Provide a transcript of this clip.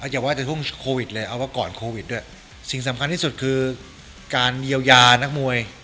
อย่าว่าแต่ช่วงโควิดเลยเอาว่าก่อนโควิดด้วยสิ่งสำคัญที่สุดคือการเยียวยานักมวย